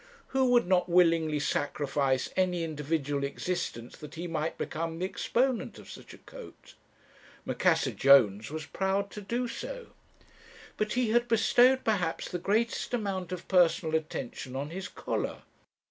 Who would not willingly sacrifice any individual existence that he might become the exponent of such a coat? Macassar Jones was proud to do so. "But he had bestowed perhaps the greatest amount of personal attention on his collar.